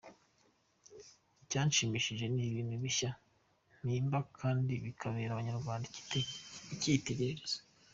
Icyanshimishije ni ibintu bishya mpimba kandi bikabera abanyarwanda icyitegererezo.